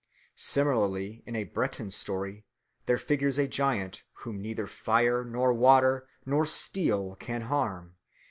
Similarly in a Breton story there figures a giant whom neither fire nor water nor steel can harm.